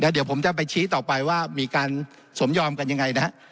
เดี๋ยวผมจะไปชี้ต่อไปว่ามีการสมยอมกันยังไงนะฮะ